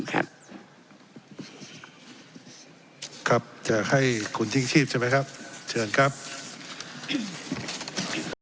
ครับครับจะให้คุณชิ่งชีพใช่ไหมครับเชิญครับ